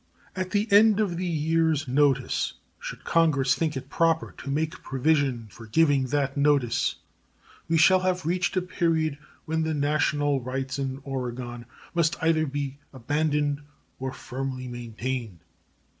At the end of the year's notice, should Congress think it proper to make provision for giving that notice, we shall have reached a period when the national rights in Oregon must either be abandoned or firmly maintained.